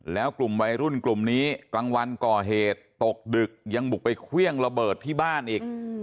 แล้วกลุ่มวัยรุ่นกลุ่มนี้กลางวันก่อเหตุตกดึกยังบุกไปเครื่องระเบิดที่บ้านอีก